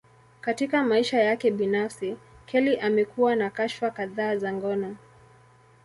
Katika maisha yake binafsi, Kelly amekuwa na kashfa kadhaa za ngono.